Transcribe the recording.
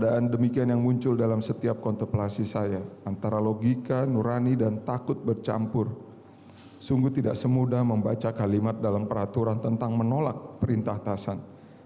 d mia minha pure eyes hari ini tidak se muda membaca kalimat dalam peraturan tentang menolak perintah tasandu